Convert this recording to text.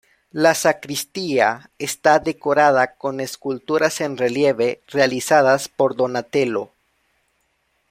La sacristía está decorada con esculturas en relieve realizadas por Donatello.